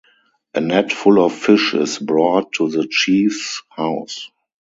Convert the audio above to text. A net full of fish is brought to the chief's house.